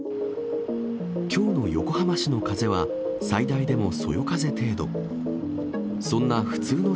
きょうの横浜市の風は、最大でもそよ風程度。